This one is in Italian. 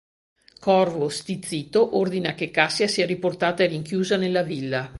Corvo, stizzito, ordina che Cassia sia riportata e rinchiusa nella villa.